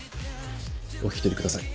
お引き取りください。